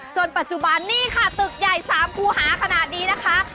จนปัจจุบันนี่ค่ะตึกใหญ่๓คู่หาขนาดนี้นะคะ